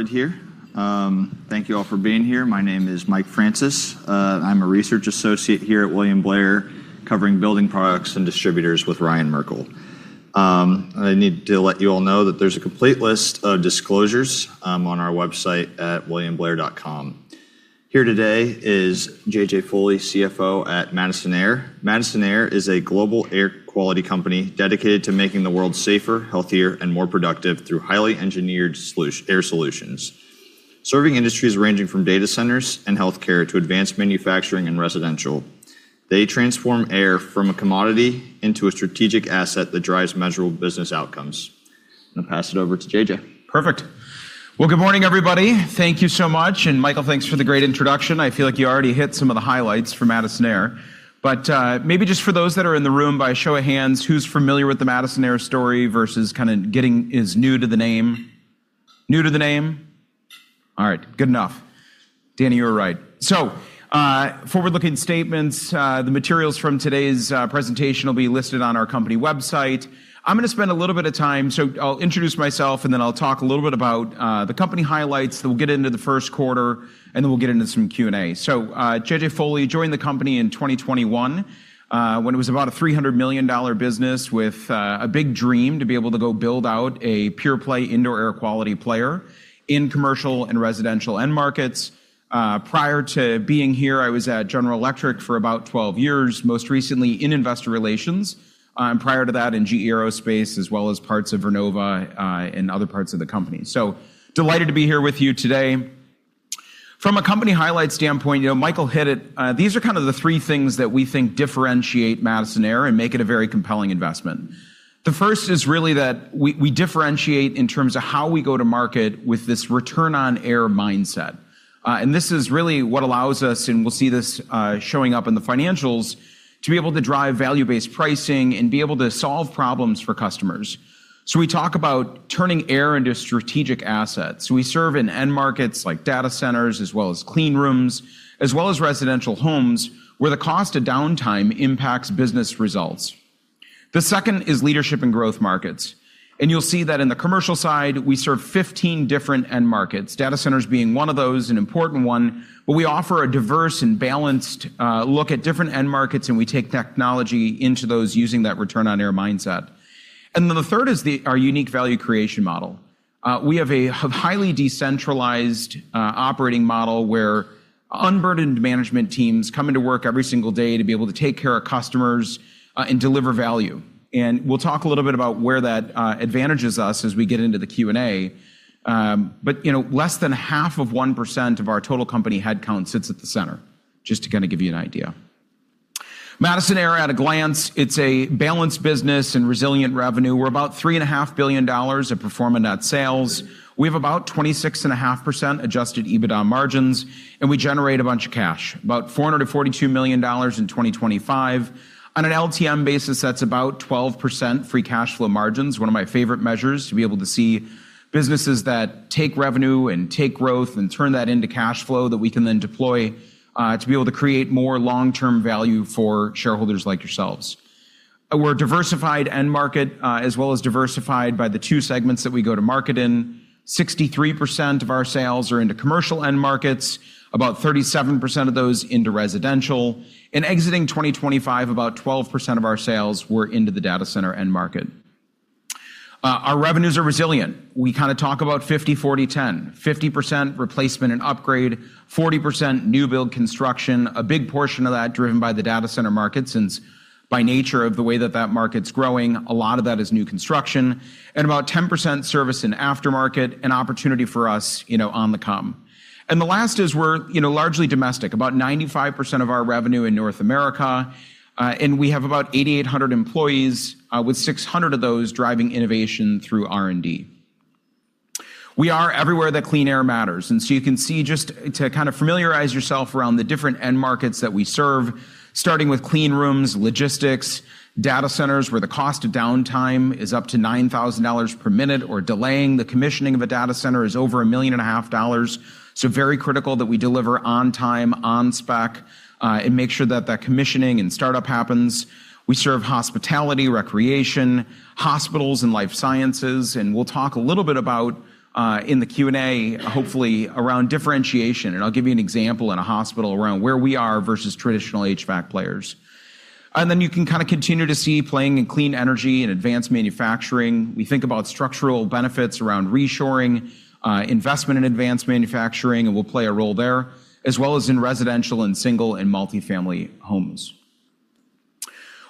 Started here. Thank you all for being here. My name is Michael Francis. I'm a research associate here at William Blair, covering building products and distributors with Ryan Merkel. I need to let you all know that there's a complete list of disclosures on our website at williamblair.com. Here today is JJ Foley, CFO at Madison Air. Madison Air is a global air quality company dedicated to making the world safer, healthier, and more productive through highly engineered air solutions. Serving industries ranging from data centers and healthcare to advanced manufacturing and residential. They transform air from a commodity into a strategic asset that drives measurable business outcomes. I'm going to pass it over to JJ. Perfect. Well, good morning, everybody. Thank you so much. Michael, thanks for the great introduction. I feel like you already hit some of the highlights for Madison Air, but maybe just for those that are in the room, by a show of hands, who's familiar with the Madison Air story versus kind of getting is new to the name? New to the name? All right, good enough. Danny, you were right. Forward-looking statements. The materials from today's presentation will be listed on our company website. I'm going to spend a little bit of time, so I'll introduce myself and then I'll talk a little bit about the company highlights, then we'll get into the Q1, and then we'll get into some Q&A. JJ Foley joined the company in 2021, when it was about a $300 million business with a big dream to be able to go build out a pure-play indoor air quality player in commercial and residential end markets. Prior to being here, I was at General Electric for about 12 years, most recently in investor relations. Prior to that, in GE Aerospace, as well as parts of Vernova, and other parts of the company. Delighted to be here with you today. From a company highlight standpoint, Michael hit it. These are kind of the three things that we think differentiate Madison Air and make it a very compelling investment. The first is really that we differentiate in terms of how we go to market with this return on air mindset. This is really what allows us, and we'll see this showing up in the financials, to be able to drive value-based pricing and be able to solve problems for customers. We talk about turning air into a strategic asset. We serve in end markets like data centers, as well as clean rooms, as well as residential homes, where the cost of downtime impacts business results. The second is leadership in growth markets. You'll see that in the commercial side, we serve 15 different end markets, data centers being one of those, an important one. We offer a diverse and balanced look at different end markets, and we take technology into those using that return on air mindset. Then the third is our unique value creation model. We have a highly decentralized operating model where unburdened management teams come into work every single day to be able to take care of customers and deliver value. We'll talk a little bit about where that advantages us as we get into the Q&A. Less than 0.5% of our total company headcount sits at the center, just to kind of give you an idea. Madison Air at a glance, it's a balanced business and resilient revenue. We're about $3.5 billion of pro forma net sales. We have about 26.5% adjusted EBITDA margins, and we generate a bunch of cash, about $442 million in 2025. On an LTM basis, that's about 12% free cash flow margins. One of my favorite measures, to be able to see businesses that take revenue and take growth and turn that into cash flow that we can then deploy to be able to create more long-term value for shareholders like yourselves. We're a diversified end market as well as diversified by the two segments that we go to market in. 63% of our sales are into commercial end markets. About 37% of those into residential. In exiting 2025, about 12% of our sales were into the data center end market. Our revenues are resilient. We kind of talk about 50/40/10. 50% replacement and upgrade, 40% new build construction. A big portion of that driven by the data center market since by nature of the way that that market's growing, a lot of that is new construction. About 10% service and aftermarket and opportunity for us on the come. The last is we're largely domestic. About 95% of our revenue in North America. We have about 8,800 employees, with 600 of those driving innovation through R&D. We are everywhere that clean air matters, you can see just to kind of familiarize yourself around the different end markets that we serve, starting with clean rooms, logistics, data centers, where the cost of downtime is up to $9,000 per minute or delaying the commissioning of a data center is over a million and a half dollars. Very critical that we deliver on time, on spec, and make sure that that commissioning and startup happens. We serve hospitality, recreation, hospitals, and life sciences. We'll talk a little bit about, in the Q&A, hopefully around differentiation. I'll give you an example in a hospital around where we are versus traditional HVAC players. Then you can kind of continue to see playing in clean energy and advanced manufacturing. We think about structural benefits around reshoring, investment in advanced manufacturing, and we'll play a role there, as well as in residential and single and multi-family homes.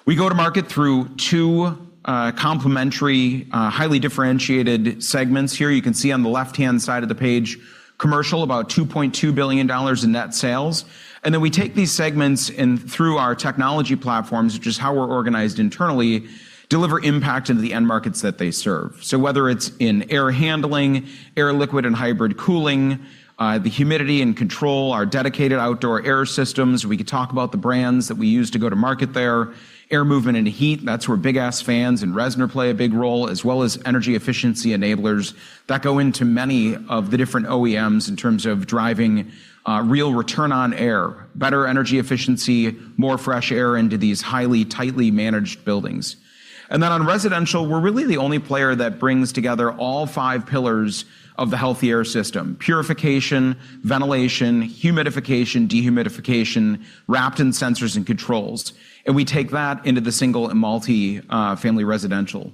We go to market through two complementary, highly differentiated segments here. You can see on the left-hand side of the page, commercial, about $2.2 billion in net sales. Then we take these segments and through our technology platforms, which is how we're organized internally, deliver impact into the end markets that they serve. Whether it's in air handling, air liquid and hybrid cooling, the humidity and control, our dedicated outdoor air systems. We could talk about the brands that we use to go to market there. Air movement and heat, that's where Big Ass Fans and Reznor play a big role, as well as energy efficiency enablers that go into many of the different OEMs in terms of driving real return on air, better energy efficiency, more fresh air into these highly tightly managed buildings. Then on residential, we're really the only player that brings together all five pillars of the healthy air system. Purification, ventilation, humidification, dehumidification, wrapped in sensors and controls. We take that into the single and multi-family residential.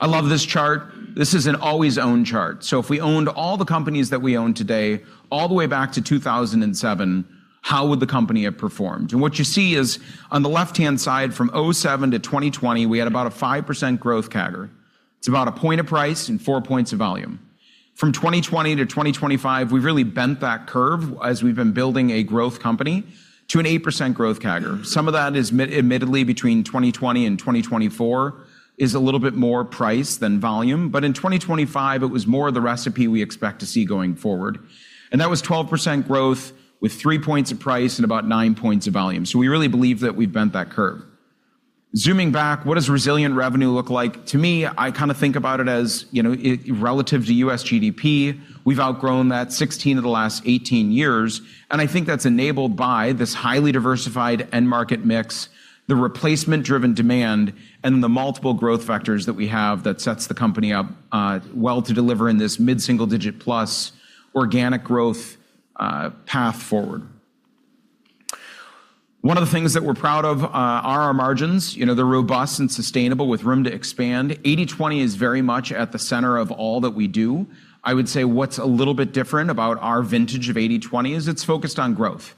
I love this chart. This is an always own chart. If we owned all the companies that we own today all the way back to 2007, how would the company have performed? What you see is on the left-hand side, from '07 to 2020, we had about a five percent growth CAGR. It's about a point of price and four points of volume. From 2020 to 2025, we've really bent that curve as we've been building a growth company to an eight percent growth CAGR. Some of that is admittedly between 2020 and 2024 is a little bit more price than volume. In 2025, it was more of the recipe we expect to see going forward. That was 12% growth with three points of price and about nine points of volume. We really believe that we've bent that curve. Zooming back, what does resilient revenue look like? To me, I kind of think about it as relative to U.S. GDP, we've outgrown that 16 of the last 18 years. I think that's enabled by this highly diversified end market mix, the replacement-driven demand, and the multiple growth vectors that we have that sets the company up well to deliver in this mid-single-digit plus organic growth path forward. One of the things that we're proud of are our margins. They're robust and sustainable with room to expand. 80/20 is very much at the center of all that we do. I would say what's a little bit different about our vintage of 80/20 is it's focused on growth.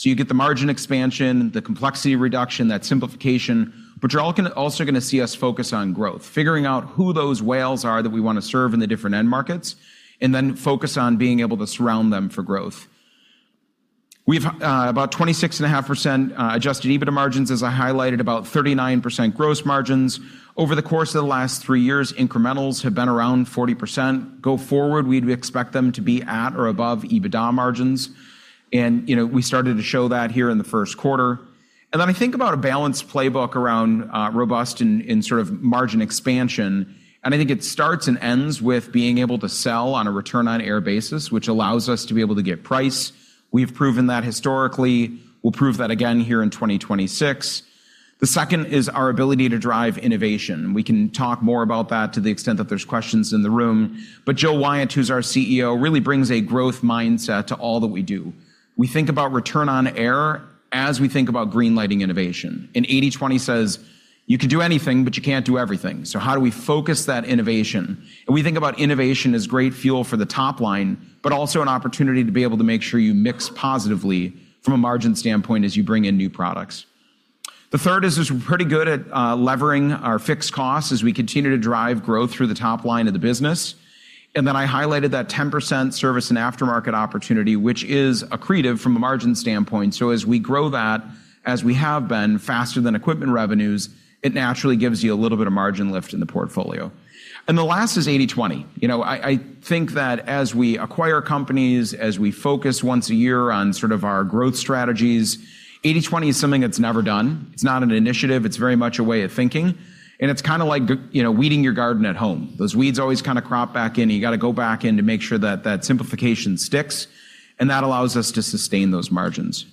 You get the margin expansion, the complexity reduction, that simplification, but you're also going to see us focus on growth, figuring out who those whales are that we want to serve in the different end markets, and then focus on being able to surround them for growth. We've about 26.5% adjusted EBITDA margins, as I highlighted, about 39% gross margins. Over the course of the last three years, incrementals have been around 40%. Go forward, we'd expect them to be at or above EBITDA margins. We started to show that here in the Q1. I think about a balanced playbook around robust and sort of margin expansion, and I think it starts and ends with being able to sell on a return on air basis, which allows us to be able to get price. We've proven that historically. We'll prove that again here in 2026. The second is our ability to drive innovation. We can talk more about that to the extent that there's questions in the room. Jill Wyant, who's our CEO, really brings a growth mindset to all that we do. We think about return on air as we think about green lighting innovation. 80/20 says you can do anything, but you can't do everything. How do we focus that innovation? We think about innovation as great fuel for the top line, but also an opportunity to be able to make sure you mix positively from a margin standpoint as you bring in new products. The third is we're pretty good at levering our fixed costs as we continue to drive growth through the top line of the business. I highlighted that 10% service and aftermarket opportunity, which is accretive from a margin standpoint. As we grow that, as we have been faster than equipment revenues, it naturally gives you a little bit of margin lift in the portfolio. The last is 80/20. I think that as we acquire companies, as we focus once a year on sort of our growth strategies, 80/20 is something that's never done. It's not an initiative. It's very much a way of thinking, and it's kind of like weeding your garden at home. Those weeds always kind of crop back in, and you got to go back in to make sure that that simplification sticks, and that allows us to sustain those margins.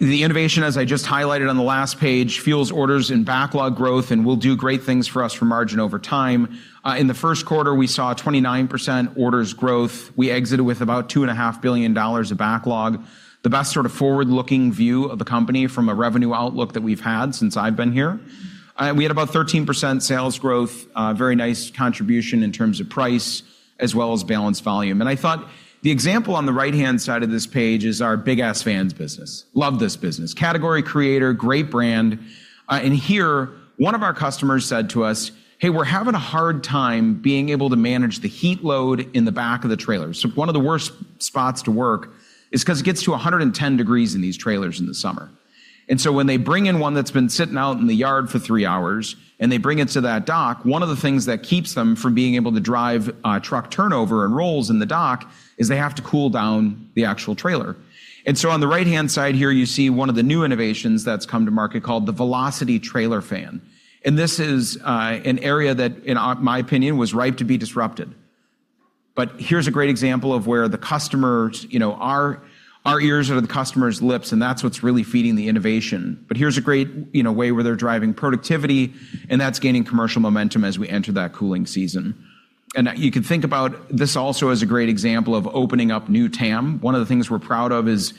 The innovation, as I just highlighted on the last page, fuels orders and backlog growth and will do great things for us for margin over time. In the Q1, we saw a 29% orders growth. We exited with about $2.5 billion of backlog. The best sort of forward-looking view of the company from a revenue outlook that we've had since I've been here. We had about 13% sales growth, a very nice contribution in terms of price as well as balanced volume. I thought the example on the right-hand side of this page is our Big Ass Fans business. Love this business. Category creator, great brand. Here, one of our customers said to us, "Hey, we're having a hard time being able to manage the heat load in the back of the trailer." One of the worst spots to work is because it gets to 110 degrees in these trailers in the summer. When they bring in one that's been sitting out in the yard for three hours and they bring it to that dock, one of the things that keeps them from being able to drive truck turnover and rolls in the dock is they have to cool down the actual trailer. On the right-hand side here, you see one of the new innovations that's come to market called the Velocity Trailer Fan. This is an area that, in my opinion, was ripe to be disrupted. Here's a great example of where the customer, our ears are the customer's lips, and that's what's really feeding the innovation. Here's a great way where they're driving productivity, and that's gaining commercial momentum as we enter that cooling season. You can think about this also as a great example of opening up new TAM. One of the things we're proud of is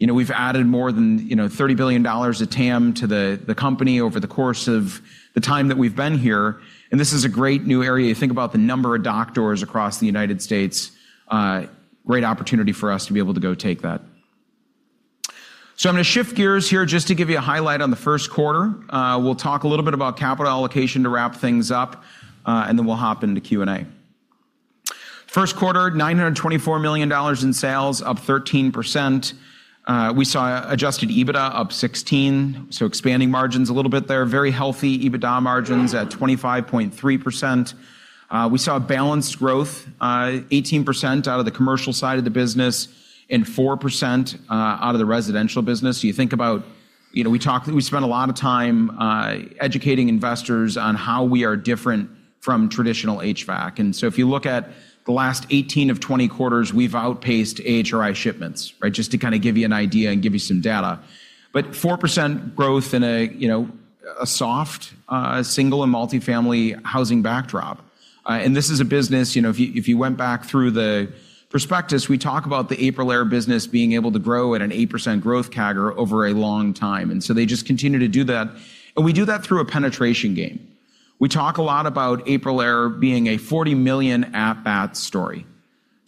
we've added more than $30 billion of TAM to the company over the course of the time that we've been here. This is a great new area. You think about the number of dock doors across the U.S. Great opportunity for us to be able to go take that. I'm going to shift gears here just to give you a highlight on the Q1. We'll talk a little bit about capital allocation to wrap things up, then we'll hop into Q&A. Q1, $924 million in sales, up 13%. We saw adjusted EBITDA up 16%, expanding margins a little bit there. Very healthy EBITDA margins at 25.3%. We saw balanced growth, 18% out of the commercial side of the business and four percent out of the residential business. You think about we spent a lot of time educating investors on how we are different from traditional HVAC. If you look at the last 18 of 20 quarters, we've outpaced AHRI shipments, right? Just to kind of give you an idea and give you some data.four percent growth in a soft single and multi-family housing backdrop. This is a business, if you went back through the prospectus, we talk about the Aprilaire business being able to grow at an eeight percent growth CAGR over a long time. They just continue to do that. We do that through a penetration game. We talk a lot about Aprilaire being a 40 million at-bat story.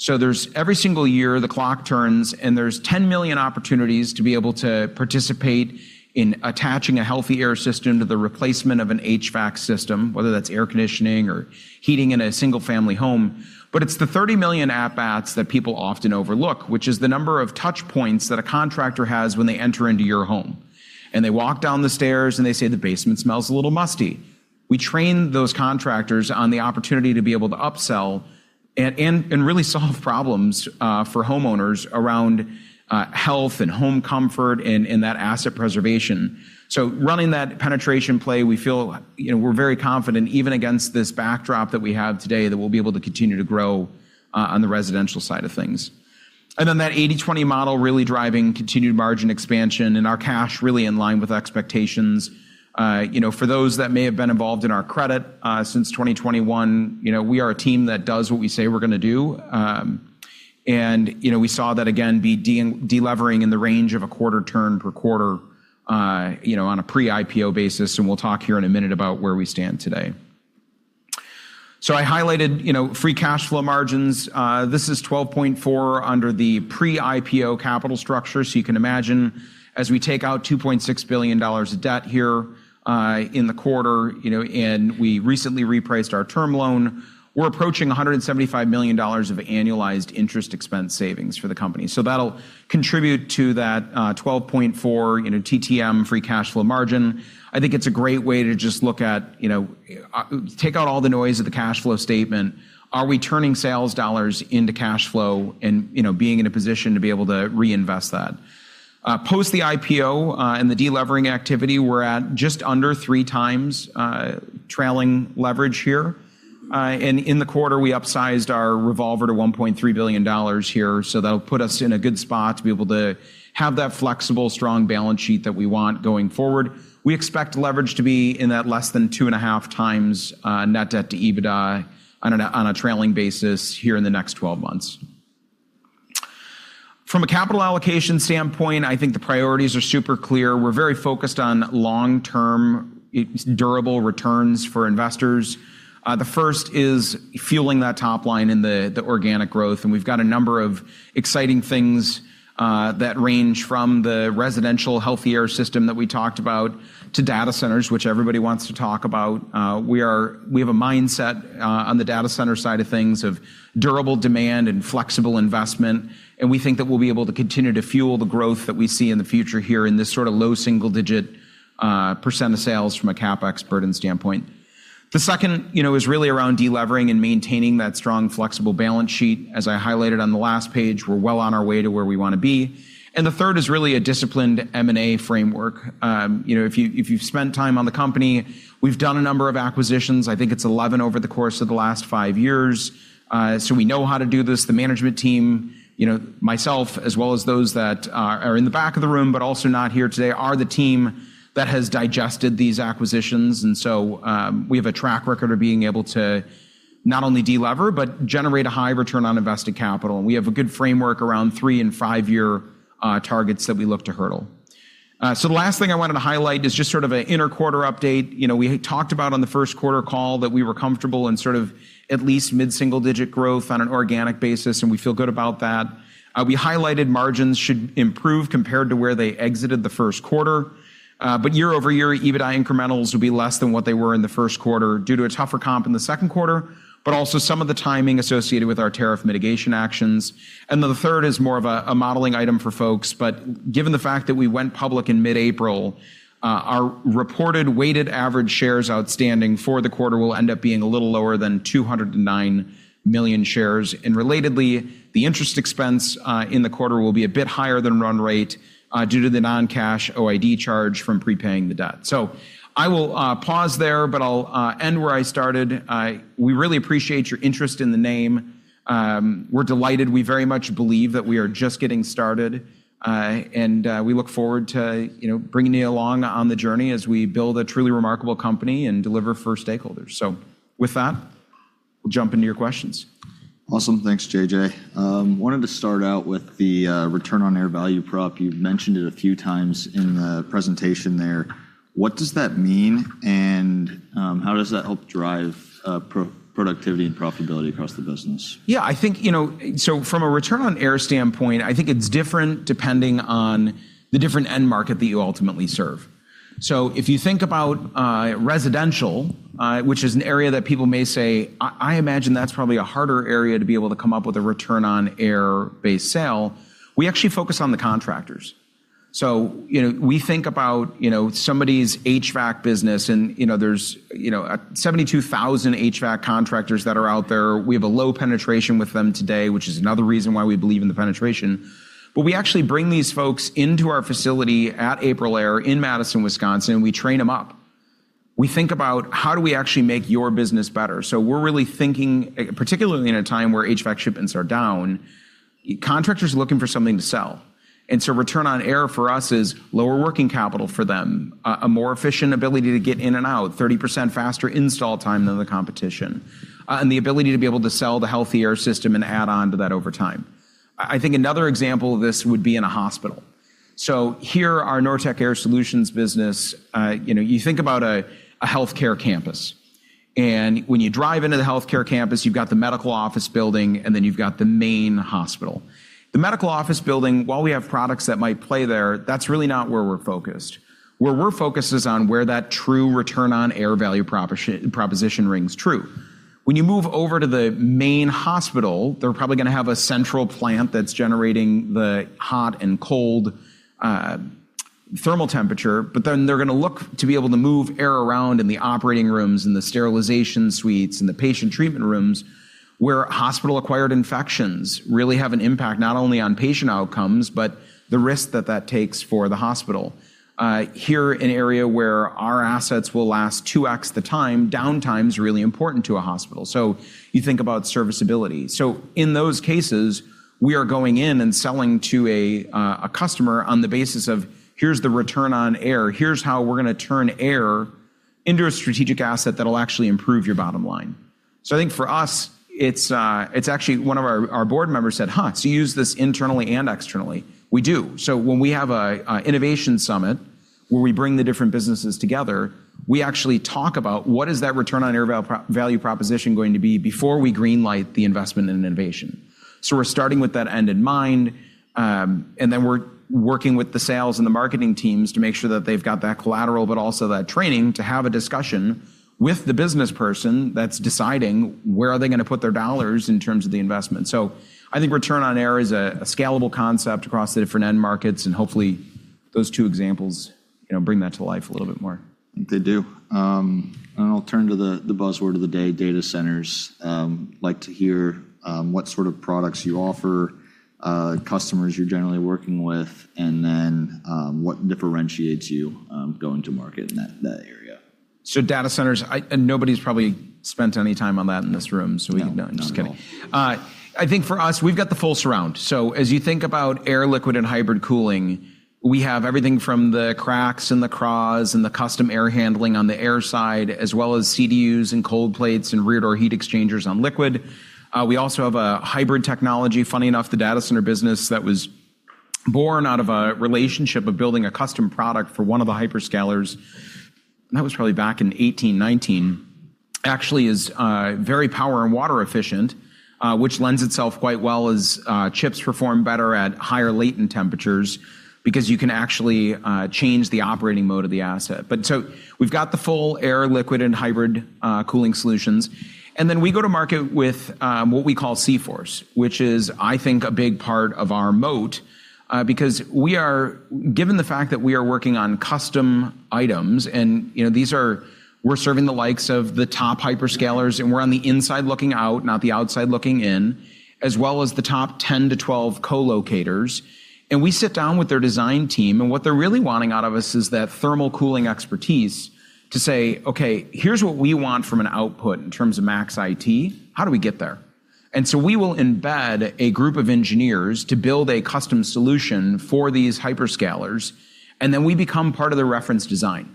There's every single year, the clock turns, and there's 10 million opportunities to be able to participate in attaching a healthy air system to the replacement of an HVAC system, whether that's air conditioning or heating in a single-family home. It's the 30 million at-bats that people often overlook, which is the number of touch points that a contractor has when they enter into your home. They walk down the stairs, and they say, "The basement smells a little musty." We train those contractors on the opportunity to be able to upsell and really solve problems for homeowners around health and home comfort and that asset preservation. Running that penetration play, we feel we're very confident even against this backdrop that we have today, that we'll be able to continue to grow on the residential side of things. That 80/20 model really driving continued margin expansion and our cash really in line with expectations. For those that may have been involved in our credit since 2021, we are a team that does what we say we're going to do. We saw that again be de-levering in the range of a quarter turn per quarter on a pre-IPO basis, and we'll talk here in a minute about where we stand today. I highlighted free cash flow margins. This is 12.4 under the pre-IPO capital structure. You can imagine, as we take out $2.6 billion of debt here in the quarter, and we recently repriced our term loan, we're approaching $175 million of annualized interest expense savings for the company. That'll contribute to that 12.4 TTM free cash flow margin. I think it's a great way to just look at, take out all the noise of the cash flow statement. Are we turning sales dollars into cash flow and being in a position to be able to reinvest that? Post the IPO and the de-levering activity, we're at just under 3x trailing leverage here. In the quarter, we upsized our revolver to $1.3 billion here. That'll put us in a good spot to be able to have that flexible, strong balance sheet that we want going forward. We expect leverage to be in that less than two and a half times net debt to EBITDA on a trailing basis here in the next 12 months. From a capital allocation standpoint, I think the priorities are super clear. We're very focused on long-term, durable returns for investors. The first is fueling that top line in the organic growth, and we've got a number of exciting things that range from the residential healthy air system that we talked about to data centers, which everybody wants to talk about. We have a mindset on the data center side of things of durable demand and flexible investment, and we think that we'll be able to continue to fuel the growth that we see in the future here in this sort of low single-digit % of sales from a CapEx burden standpoint. The second is really around de-levering and maintaining that strong, flexible balance sheet. As I highlighted on the last page, we're well on our way to where we want to be. The third is really a disciplined M&A framework. If you've spent time on the company, we've done a number of acquisitions. I think it's 11 over the course of the last five years. We know how to do this. The management team, myself, as well as those that are in the back of the room, but also not here today, are the team that has digested these acquisitions. We have a track record of being able to not only de-lever but generate a high return on invested capital. We have a good framework around three and five-year targets that we look to hurdle. The last thing I wanted to highlight is just sort of an inter-quarter update. We had talked about on the Q1 call that we were comfortable in sort of at least mid-single-digit growth on an organic basis, and we feel good about that. We highlighted margins should improve compared to where they exited the Q1. Year-over-year, EBITDA incrementals will be less than what they were in the Q1 due to a tougher comp in the Q2, but also some of the timing associated with our tariff mitigation actions. The third is more of a modeling item for folks, but given the fact that we went public in mid-April, our reported weighted average shares outstanding for the quarter will end up being a little lower than 209 million shares. Relatedly, the interest expense in the quarter will be a bit higher than run rate due to the non-cash OID charge from prepaying the debt. I will pause there, but I'll end where I started. We really appreciate your interest in the name. We're delighted. We very much believe that we are just getting started. We look forward to bringing you along on the journey as we build a truly remarkable company and deliver for stakeholders. With that, we'll jump into your questions. Awesome. Thanks, JJ. Wanted to start out with the return on air value prop. You've mentioned it a few times in the presentation there. What does that mean, and how does that help drive productivity and profitability across the business? From a return on air standpoint, I think it's different depending on the different end market that you ultimately serve. If you think about residential, which is an area that people may say, "I imagine that's probably a harder area to be able to come up with a return on air base sale," we actually focus on the contractors. We think about somebody's HVAC business and there's 72,000 HVAC contractors that are out there. We have a low penetration with them today, which is another reason why we believe in the penetration. We actually bring these folks into our facility at Aprilaire in Madison, Wisconsin, and we train them up. We think about how do we actually make your business better. We're really thinking, particularly in a time where HVAC shipments are down, contractors are looking for something to sell. Return on air for us is lower working capital for them, a more efficient ability to get in and out, 30% faster install time than the competition, and the ability to be able to sell the healthy air system and add on to that over time. I think another example of this would be in a hospital. Here, our Nortek Air Solutions business, you think about a healthcare campus, and when you drive into the healthcare campus, you've got the medical office building, and then you've got the main hospital. The medical office building, while we have products that might play there, that's really not where we're focused. Where we're focused is on where that true return on air value proposition rings true. When you move over to the main hospital, they're probably going to have a central plant that's generating the hot and cold thermal temperature, but then they're going to look to be able to move air around in the operating rooms and the sterilization suites and the patient treatment rooms, where hospital-acquired infections really have an impact, not only on patient outcomes, but the risk that that takes for the hospital. Here, an area where our assets will last 2x the time, downtime's really important to a hospital. You think about serviceability. In those cases, we are going in and selling to a customer on the basis of here's the return on air, here's how we're going to turn air into a strategic asset that'll actually improve your bottom line. I think for us, it's actually one of our board members said, "Huh, so you use this internally and externally?" We do. When we have an innovation summit where we bring the different businesses together, we actually talk about what is that return on air value proposition going to be before we green-light the investment in innovation. We're starting with that end in mind, and then we're working with the sales and the marketing teams to make sure that they've got that collateral, but also that training to have a discussion with the business person that's deciding where are they going to put their dollars in terms of the investment. I think return on air is a scalable concept across the different end markets, and hopefully those two examples bring that to life a little bit more. I think they do. I'll turn to the buzzword of the day, data centers. Like to hear what sort of products you offer, customers you're generally working with, what differentiates you going to market in that area. Data centers, and nobody's probably spent any time on that in this room. No, not at all. Just kidding. I think for us, we've got the full surround. As you think about air, liquid, and hybrid cooling, we have everything from the CRACs and the CRAHs and the custom air handling on the air side, as well as CDUs and cold plates and rear door heat exchangers on liquid. We also have a hybrid technology, funny enough, the data center business that was born out of a relationship of building a custom product for one of the hyperscalers, and that was probably back in '18, '19, actually is very power and water efficient, which lends itself quite well as chips perform better at higher latent temperatures because you can actually change the operating mode of the asset. We've got the full air, liquid, and hybrid cooling solutions, and then we go to market with what we call C-Force™, which is, I think, a big part of our moat. Because we are, given the fact that we are working on custom items and we're serving the likes of the top hyperscalers, and we're on the inside looking out, not the outside looking in, as well as the top 10 - 12 co-locators. We sit down with their design team, and what they're really wanting out of us is that thermal cooling expertise to say, "Okay, here's what we want from an output in terms of max IT." How do we get there? We will embed a group of engineers to build a custom solution for these hyperscalers, and then we become part of the reference design.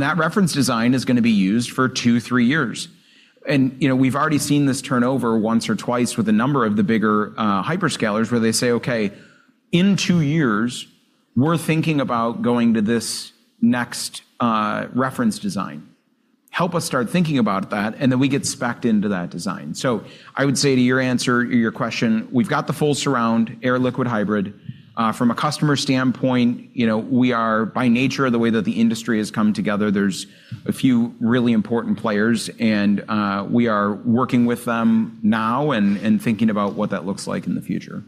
That reference design is going to be used for two, three years. We've already seen this turn over once or twice with a number of the bigger hyperscalers, where they say, "Okay, in two years, we're thinking about going to this next reference design. Help us start thinking about that," and then we get specced into that design. I would say to your question, we've got the full surround, air liquid hybrid. From a customer standpoint, we are by nature of the way that the industry has come together, there's a few really important players and we are working with them now and thinking about what that looks like in the future.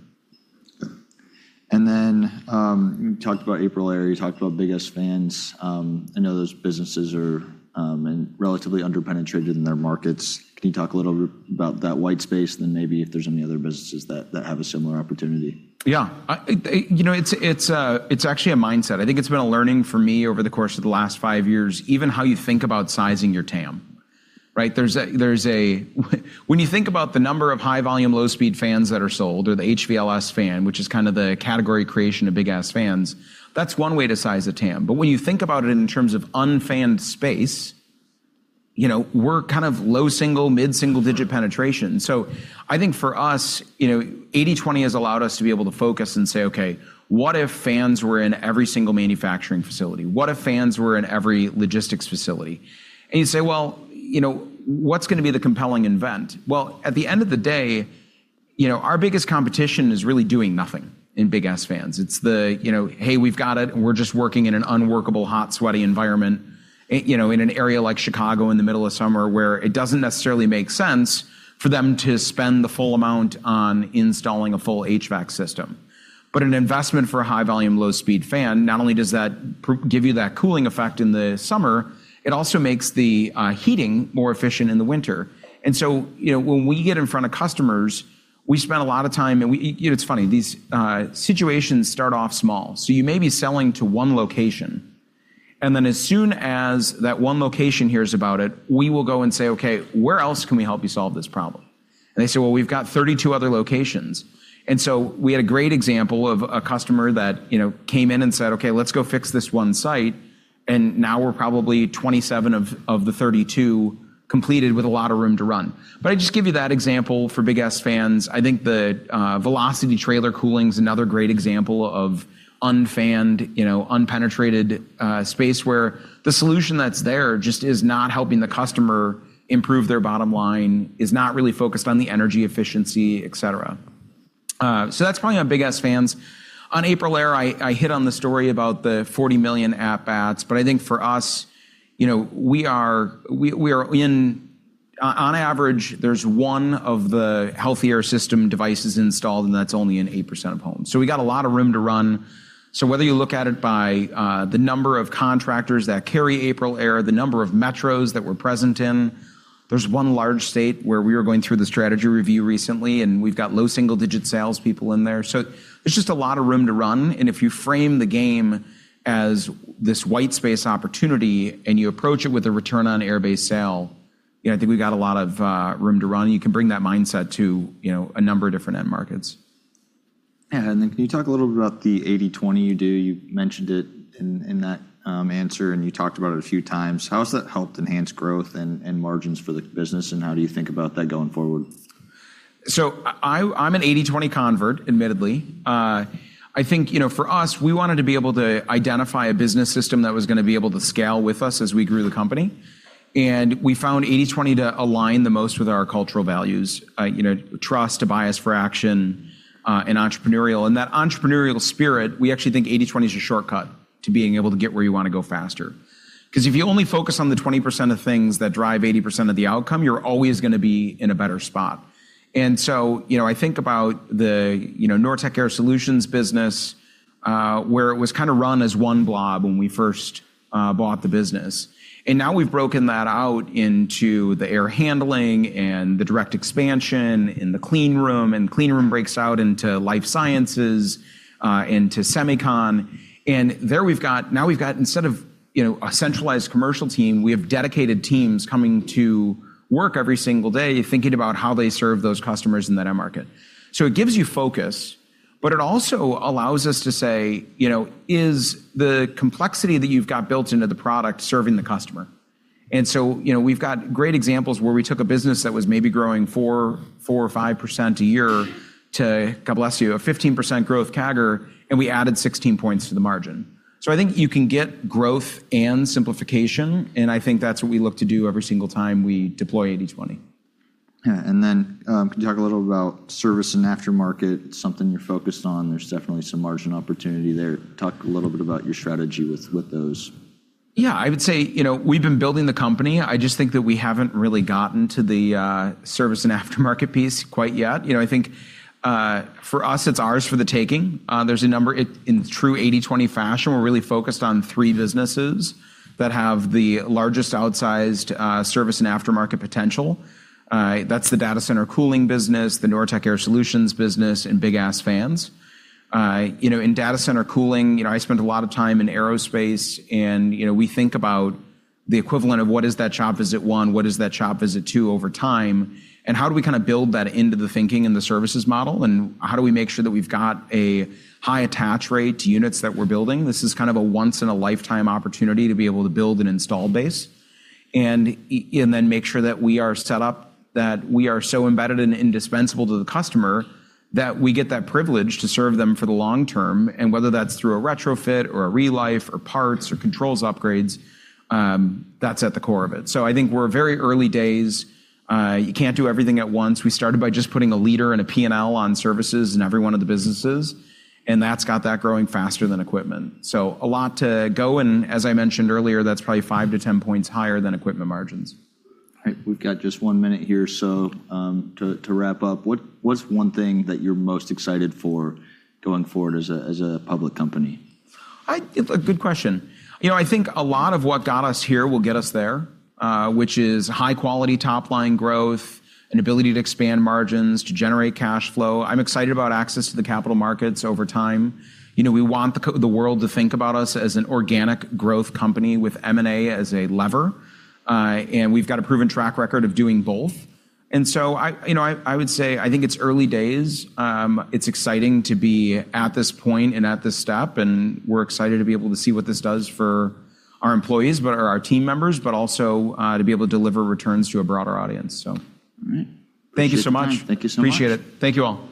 You talked about Aprilaire, you talked about Big Ass Fans. I know those businesses are relatively under-penetrated in their markets. Can you talk a little bit about that white space and then maybe if there's any other businesses that have a similar opportunity? It's actually a mindset. I think it's been a learning for me over the course of the last five years, even how you think about sizing your TAM, right? When you think about the number of high volume, low speed fans that are sold, or the HVLS fan, which is kind of the category creation of Big Ass Fans, that's one way to size a TAM. When you think about it in terms of un-fanned space, we're kind of low single, mid-single digit penetration. I think for us, 80/20 has allowed us to be able to focus and say, "Okay, what if fans were in every single manufacturing facility? What if fans were in every logistics facility?" You say, "Well, what's going to be the compelling event?" At the end of the day, our biggest competition is really doing nothing in Big Ass Fans. It's the, "Hey, we've got it, and we're just working in an unworkable hot, sweaty environment," in an area like Chicago in the middle of summer where it doesn't necessarily make sense for them to spend the full amount on installing a full HVAC system. An investment for a high volume, low speed fan, not only does that give you that cooling effect in the summer, it also makes the heating more efficient in the winter. When we get in front of customers, we spend a lot of time, and it's funny, these situations start off small. You may be selling to one location, and then as soon as that one location hears about it, we will go and say, "Okay, where else can we help you solve this problem?" They say, "Well, we've got 32 other locations." We had a great example of a customer that came in and said, "Okay, let's go fix this one site." Now we're probably 27 of the 32 completed with a lot of room to run. I just give you that example for Big Ass Fans. I think the velocity trailer cooling's another great example of unfanned, unpenetrated space where the solution that's there just is not helping the customer improve their bottom line, is not really focused on the energy efficiency, et cetera. That's probably on Big Ass Fans. On Aprilaire, I hit on the story about the 40 million app adds, I think for us, on average, there's one of the healthy air system devices installed, and that's only in eight percent of homes. We got a lot of room to run. Whether you look at it by the number of contractors that carry Aprilaire, the number of metros that we're present in. There's one large state where we were going through the strategy review recently, we've got low single-digit salespeople in there. There's just a lot of room to run. If you frame the game as this white space opportunity and you approach it with a return on air-based sale, I think we've got a lot of room to run, and you can bring that mindset to a number of different end markets. Yeah. Then can you talk a little bit about the 80/20 you do? You mentioned it in that answer, and you talked about it a few times. How has that helped enhance growth and margins for the business, and how do you think about that going forward? I'm an 80/20 convert, admittedly. I think, for us, we wanted to be able to identify a business system that was going to be able to scale with us as we grew the company. We found 80/20 to align the most with our cultural values. Trust, a bias for action, and entrepreneurial. That entrepreneurial spirit, we actually think 80/20 is a shortcut to being able to get where you want to go faster. Because if you only focus on the 20% of things that drive 80% of the outcome, you're always going to be in a better spot. I think about the Nortek Air Solutions business, where it was kind of run as one blob when we first bought the business. Now we've broken that out into the air handling and the direct expansion in the clean room, clean room breaks out into life sciences, into semicon. Now we've got, instead of a centralized commercial team, we have dedicated teams coming to work every single day thinking about how they serve those customers in that end market. It gives you focus, but it also allows us to say, is the complexity that you've got built into the product serving the customer? We've got great examples where we took a business that was maybe growing four percent or five percent a year to, God bless you, a 15% growth CAGR, we added 16 points to the margin. I think you can get growth and simplification, and I think that's what we look to do every single time we deploy 80/20. Yeah. Can you talk a little about service and aftermarket? It's something you're focused on. There's definitely some margin opportunity there. Talk a little bit about your strategy with those. Yeah. I would say, we've been building the company. I just think that we haven't really gotten to the service and aftermarket piece quite yet. I think for us, it's ours for the taking. There's a number, in true 80/20 fashion, we're really focused on three businesses that have the largest outsized service and aftermarket potential. That's the data center cooling business, the Nortek Air Solutions business, and Big Ass Fans. In data center cooling, I spent a lot of time in aerospace and we think about the equivalent of what is that shop visit one, what is that shop visit two over time, and how do we kind of build that into the thinking and the services model, and how do we make sure that we've got a high attach rate to units that we're building? This is kind of a once in a lifetime opportunity to be able to build an install base. Make sure that we are set up, that we are so embedded and indispensable to the customer that we get that privilege to serve them for the long term, and whether that's through a retrofit or a relife or parts or controls upgrades, that's at the core of it. I think we're very early days. You can't do everything at once. We started by just putting a leader and a P&L on services in every one of the businesses, and that's got that growing faster than equipment. A lot to go, and as I mentioned earlier, that's probably 5-10 points higher than equipment margins. All right. We've got just one minute here. To wrap up, what's one thing that you're most excited for going forward as a public company? Good question. I think a lot of what got us here will get us there, which is high quality top-line growth and ability to expand margins to generate cash flow. I'm excited about access to the capital markets over time. We want the world to think about us as an organic growth company with M&A as a lever. We've got a proven track record of doing both. I would say, I think it's early days. It's exciting to be at this point and at this step, and we're excited to be able to see what this does for our employees, but our team members, but also to be able to deliver returns to a broader audience. All right. Thank you so much. Thank you so much. Appreciate it. Thank you all.